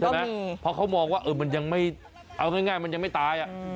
เพราะเขามองว่ามันยังไม่เอาง่ายมันยังไม่ตาย